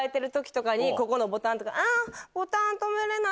ここのボタンとか。